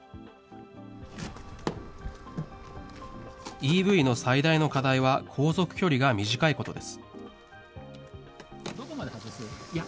ＥＶの最大の課題は、航続距離が短いことです。